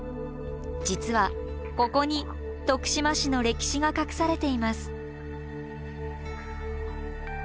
実はここに徳島市の歴史が隠されています。